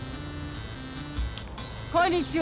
こんにちは。